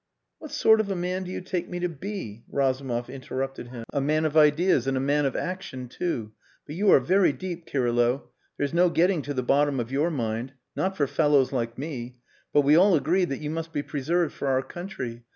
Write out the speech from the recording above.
"What sort of a man do you take me to be?" Razumov interrupted him. "A man of ideas and a man of action too. But you are very deep, Kirylo. There's no getting to the bottom of your mind. Not for fellows like me. But we all agreed that you must be preserved for our country.